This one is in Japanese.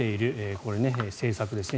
これ、政策ですね。